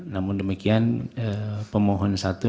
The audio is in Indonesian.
namun demikian pemohon satu